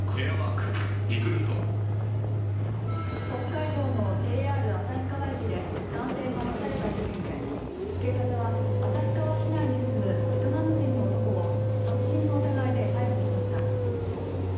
北海道のＪＲ旭川駅で男性が刺された事件で警察は旭川市内に住むベトナム人の男を殺人の疑いで逮捕しました。